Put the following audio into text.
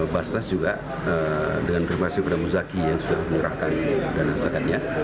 basnas juga dengan krevasi pada muzaki yang sudah menyerahkan dana zakatnya